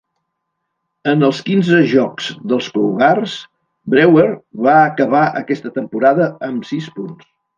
En els quinze jocs dels Cougars, Brewer va acabar aquesta temporada amb sis punts.